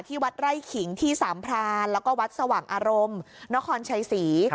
ที่วัดไร่ขิงที่สัมพลาญแล้วก็วัดสว่างอารมณ์เร้าคอนชายศรี